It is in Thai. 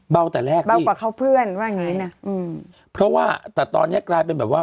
แต่แรกเบากว่าเขาเพื่อนว่าอย่างงี้นะอืมเพราะว่าแต่ตอนเนี้ยกลายเป็นแบบว่า